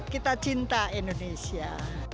kita cinta indonesia